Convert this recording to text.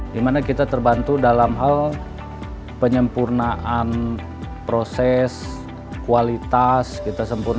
di mana kita terbantu dalam hal penyempurnaan proses kualitas